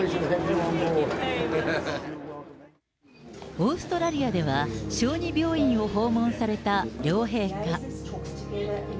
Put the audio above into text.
オーストラリアでは、小児病院を訪問された両陛下。